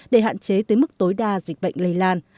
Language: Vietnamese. để hạn chế tới mức tối đa dịch bệnh lây lan